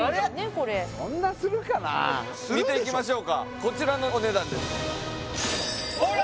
これ見ていきましょうかこちらのお値段ですほら！